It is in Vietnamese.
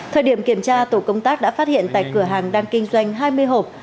thời điểm kiểm tra tổ công tác đã phát hiện tại cửa hàng đang kinh doanh hai mươi hộp